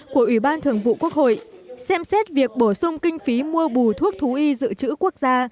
của ủy ban thường vụ quốc hội xem xét việc bổ sung kinh phí mua bù thuốc thú y dự trữ quốc gia